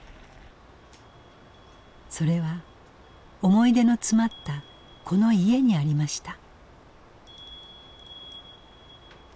それは思い出の詰まったこの家にありました。